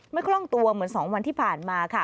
คล่องตัวเหมือน๒วันที่ผ่านมาค่ะ